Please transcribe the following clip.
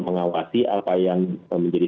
mengawasi apa yang menjadi